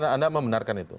anda membenarkan itu